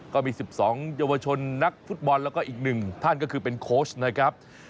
ก็มี๑๒เยาวชนนักฟุตบอลแล้วก็อีก๑ท่านก็คือเป็นโค้ชนะครับ